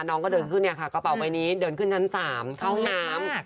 น้องก็เดินขึ้นเนี่ยค่ะกระเป๋าใบนี้เดินขึ้นชั้น๓เข้าน้ำ